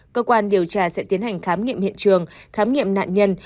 cơ quan điều tra sẽ tiến hành khám nghiệm hiện trường khám nghiệm nạn nhân